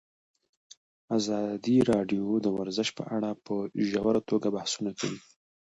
ازادي راډیو د ورزش په اړه په ژوره توګه بحثونه کړي.